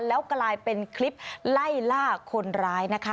แล้วกลายเป็นคลิปไล่ล่าคนร้ายนะคะ